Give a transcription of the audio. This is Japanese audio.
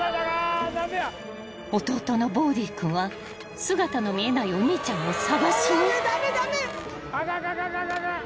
［弟のボウディ君は姿の見えないお兄ちゃんを捜しに］